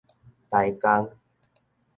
臺江